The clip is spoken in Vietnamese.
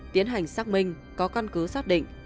tiến hành xác minh có căn cứ xác định